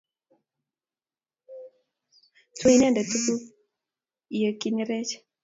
Tue inendet tuguk ya kinerech